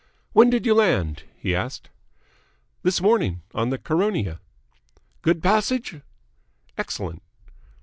"When did you land?" he asked. "This morning. On the Caronia ..." "Good passage?" "Excellent."